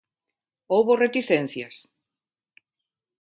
Houbo reticencias?